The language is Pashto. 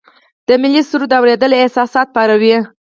د ملي سرود اوریدل احساسات پاروي.